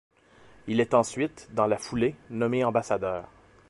Il est ensuite, dans la foulée, nommé ambassadeur.